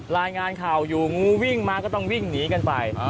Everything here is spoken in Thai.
รายงานข่าวอยู่งูวิ่งมาก็ต้องวิ่งหนีกันไป